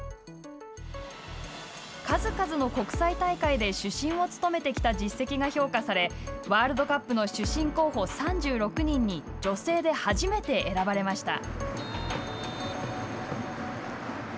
数々の国際大会で主審を務めてきた実績が評価されワールドカップの主審候補３６人に女性で初めて選ばれました。